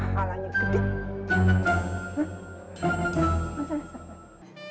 itu juga adalah tugas kita